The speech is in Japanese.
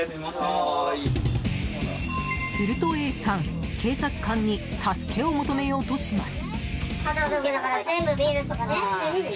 するとＡさん警察官に助けを求めようとします。